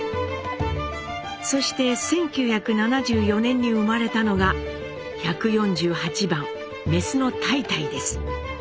そして１９７４年に生まれたのが１４８番メスの岱岱です。